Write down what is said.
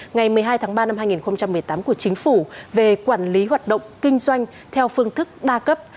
ngày một mươi hai tháng ba năm hai nghìn một mươi tám của chính phủ về quản lý hoạt động kinh doanh theo phương thức đa cấp